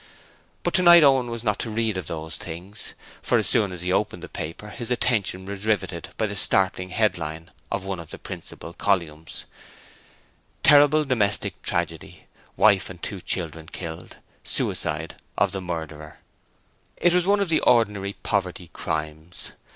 But tonight Owen was not to read of those things, for as soon as he opened the paper his attention was riveted by the staring headline of one of the principal columns: TERRIBLE DOMESTIC TRAGEDY Wife And Two Children Killed Suicide of the Murderer It was one of the ordinary poverty crimes.